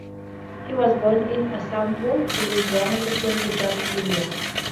He was born in Esapur, Ludhiana, Eastern Punjab, India.